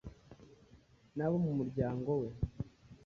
n'abo mu muryango we